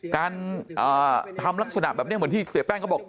การทำลักษณะแบบนี้เหมือนที่เสียแป้งเขาบอก